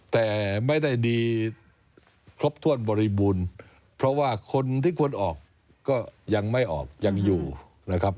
แต่ไม่ได้ดีครบถ้วนบริบูรณ์เพราะว่าคนที่ควรออกก็ยังไม่ออกยังอยู่นะครับ